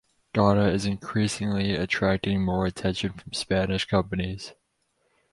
Ghana is increasingly attracting more attention from Spanish companies.